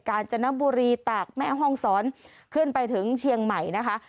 การจนบุรีตากแม่ห้องศรขึ้นไปถึงเชียงใหม่นะคะ